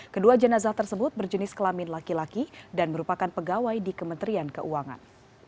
kedua jenazah tersebut berjenis kelamin laki laki dan merupakan pegawai di kementerian keuangan